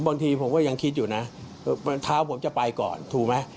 บางทีผมก็ยังคิดอยู่นะเท้าผมจะไปก่อนถูกไหม